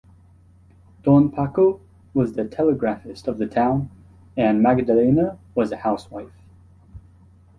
Don Paco was the telegraphist of the town and Madgalena was a housewife.